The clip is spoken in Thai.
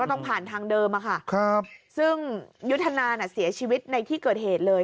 ต้องผ่านทางเดิมอะค่ะครับซึ่งยุทธนาน่ะเสียชีวิตในที่เกิดเหตุเลย